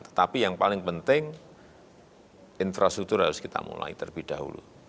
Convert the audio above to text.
tetapi yang paling penting infrastruktur harus kita mulai terlebih dahulu